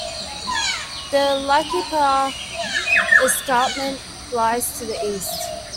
The Laikipia Escarpment lies to the east.